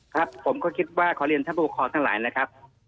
ครับผมก็คิดว่าขอเรียนท่านผู้ปกครองทั้งหลายนะครับ